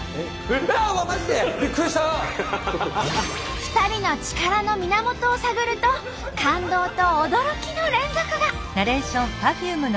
２人の力の源を探ると感動と驚きの連続が。